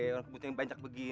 orang kebutuhannya bancak begini